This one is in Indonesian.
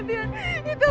ini tiara nailah